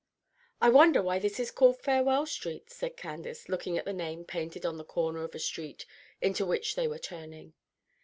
"I wonder why this is called 'Farewell Street,'" said Candace, looking at the name painted on the corner of a street into which they were turning.